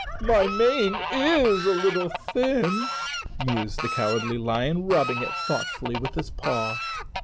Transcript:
"My mane is a little thin," mused the Cowardly Lion, rubbing it thoughtfully with his paw.